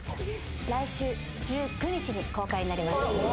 来週１９日に公開になります